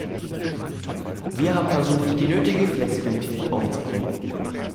Wir haben versucht, die nötige Flexibilität aufzubringen.